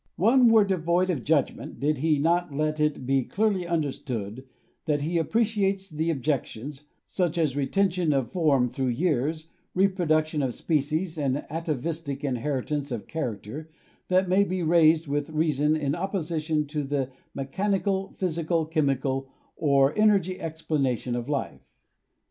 One were devoid of judgment did he not let it be clearly; understood that he appreciates the objections, such as re tention of form through years, reproduction of species and atavistic inheritance of character, that may be raised with xvi INTRODUCTION reason in opposition to the mechanical, physical, chemical or energy explanation of life.